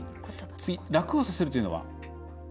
次、楽をさせるというのは。